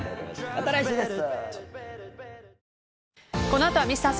また来週です。